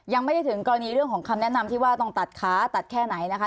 ยังไม่ได้ถึงกรณีเรื่องของคำแนะนำที่ว่าต้องตัดขาตัดแค่ไหนนะคะ